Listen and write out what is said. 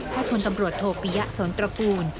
พลตำรวจโทปิยะสนตระกูล